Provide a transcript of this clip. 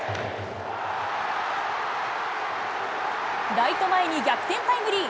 ライト前に逆転タイムリー。